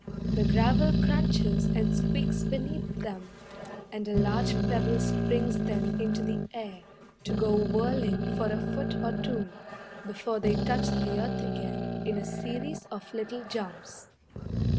The gravel crunches and squeaks beneath them, And a large pebble springs them into the air To go whirling for a foot or two Before they touch the earth again In a series of little jumps.